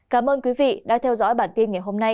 cảm ơn quý vị đã theo dõi bản tin ngày hôm nay